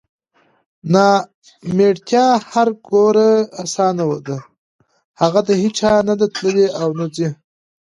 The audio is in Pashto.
نامېړتیا هر ګوره اسانه ده هغه د هیچا نه نده تللې اونه ځي